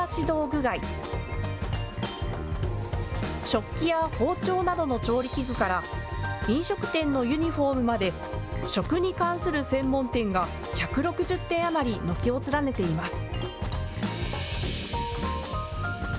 食器や包丁などの調理器具から飲食店のユニフォームまで食に関する専門店が１６０店余り軒を連ねています。